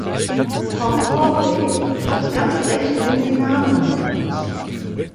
Frau Corbey hat ganz Recht, wenn sie Namen nennt.